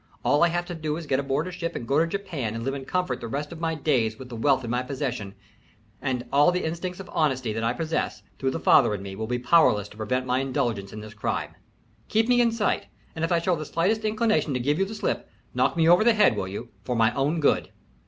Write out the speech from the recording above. All I have to do is to get aboard a ship and go to Japan and live in comfort the rest of my days with the wealth in my possession, and all the instincts of honesty that I possess, through the father in me, will be powerless to prevent my indulgence in this crime. Keep me in sight, and if I show the slightest inclination to give you the slip, knock me over the head, will you, for my own good?"